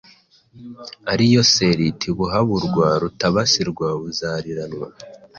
ari Yoseri Tibuhaburwa Rutabasirwa Buzariranwa